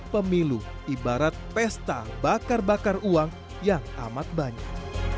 pemilu ibarat pesta bakar bakar uang yang amat banyak